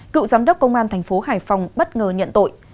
cựu giám đốc công an thành phố hải phòng bất ngờ nhận tội